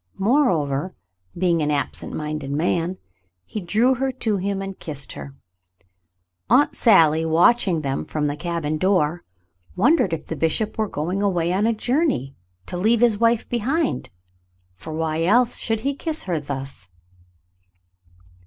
Moreover, being an absent minded man, he drew her to him and kissed her. Aunt Sally, watching them from the cabin door, wondered if the bishop were going away on a journey, to leave his wife behind, for why else should he kiss her thus